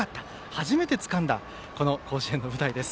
初めてつかんだ甲子園の舞台です。